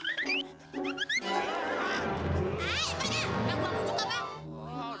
yang gua buka pak